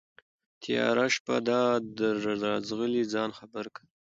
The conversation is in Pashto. تياره شپه دا ده راځغلي ځان خبر كه